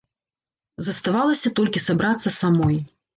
Заставалася толькі сабрацца самой.